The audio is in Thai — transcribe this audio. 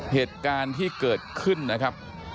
เหตุการณ์ที่เกิดขึ้นนะครับ